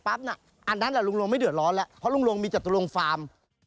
อันนั้นแหละลุงลงไม่เดือดร้อนแล้วเพราะลุงลงมีจตุลงฟาร์ม